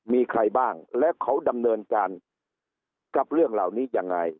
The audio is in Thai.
มีใครบ้างและเขาดำเนินการกับเรื่องเหล่านี้ยังไง